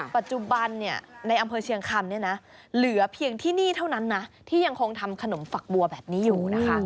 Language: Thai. ปัจจุบันในอำเภอเชียงคำเนี่ยนะเหลือเพียงที่นี่เท่านั้นนะที่ยังคงทำขนมฝักบัวแบบนี้อยู่นะคะ